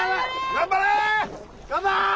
頑張れ！